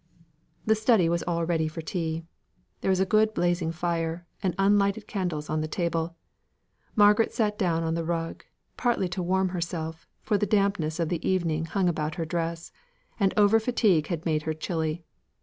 The study was all ready for tea. There was a good blazing fire, and unlighted candles on the table. Margaret sat down on the rug, partly to warm herself, for the dampness of the evening hung about her dress, and over fatigue had made her chilly.